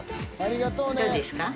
どうですか？